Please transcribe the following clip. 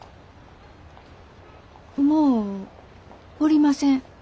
もうおりません。